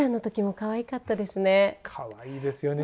かわいいですよね